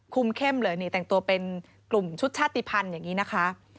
คุ้มเข้มเหรอแต่งตัวเป็นกลุ่มชุดชาติพันธ์อย่างนี้นะคะ